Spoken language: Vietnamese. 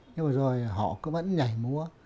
nhưng mà rồi họ vẫn nhảy múa